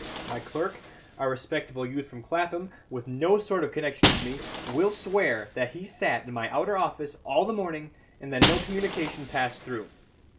My clerk (a respectable youth from Clapham, with no sort of connection with me) will swear that he sat in my outer office all the morning, and that no communication passed through.